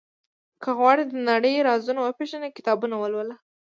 • که غواړې د نړۍ رازونه وپېژنې، کتابونه ولوله.